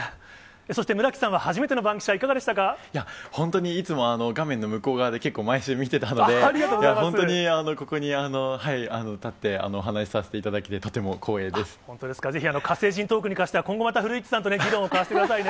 そして、村木さんは初めてのバン本当にいつも画面の向こう側で、結構毎週見てたので、本当にここに立ってお話させていただけ本当ですか、ぜひ、火星人トークに関しては今後また古市さんと議論を交わしてくださいね。